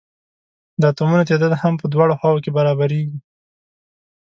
د اتومونو تعداد هم په دواړو خواؤ کې برابریږي.